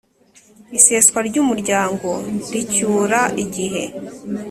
Iseswa ry umuryango ricyura igihe